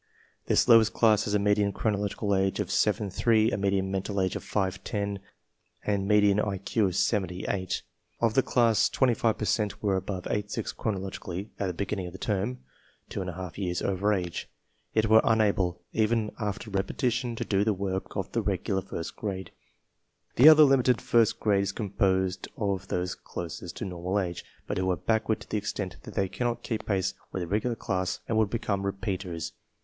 This lowest class has a median chronolo gical age of 7 3, a median mental age of 5 10, and me dian IQ of 78. Of this class 25 per cent were above 8 6 chronologically at the beginning of the term — %}/2 years over age, — yet were unable, even after repetition, to do the work of the regular first grade. The other limited first grade is composed of those closest to normal age, but who are backward to the extent that they cannot keep pace with a regular class and would become re s peaters.